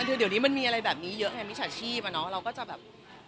เดี๋ยวนี้มันมีอะไรแบบนี้เยอะไงมิจฉาชีพอะเนาะเราก็จะแบบ